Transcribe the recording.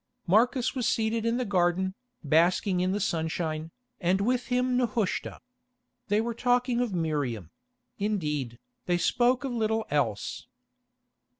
Marcus was seated in the garden, basking in the sunshine, and with him Nehushta. They were talking of Miriam—indeed, they spoke of little else.